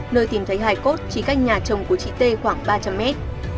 nơi tìm thấy hải cốt chỉ cách nhà chồng của chị t khoảng ba trăm linh mét